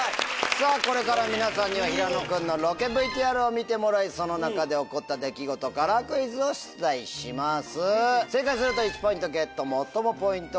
これから皆さんには平野君のロケＶＴＲを見てもらいその中で起こった出来事からクイズを出題します。